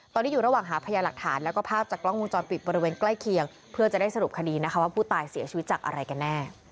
ตอนนี้อยู่ระหว่างหาพยายามหลักฐาน